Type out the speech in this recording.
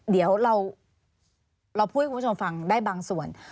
เดี๋ยวเราพูดให้คุณผู้ชมฟังได้บางส่วน